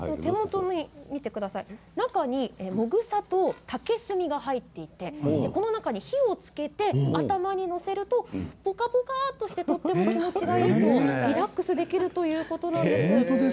中に、もぐさと竹炭が入っていてこの中に火をつけて頭に載せるとポカポカしてとても気持ちがよくリラックスできるということです。